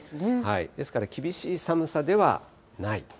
ですから厳しい寒さではない。